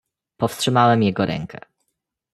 "Powstrzymałem jego rękę."